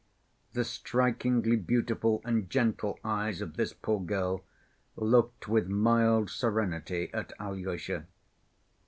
The strikingly beautiful and gentle eyes of this poor girl looked with mild serenity at Alyosha.